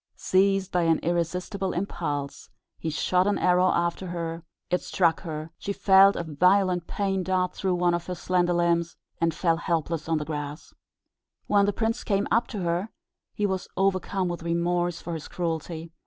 Seized by an irresistible impulse, he shot an arrow after her; it struck her, she felt a violent pain dart through one of her slender limbs, and fell helpless on the grass. When the prince came up to her, he was overcome with remorse for his cruelty.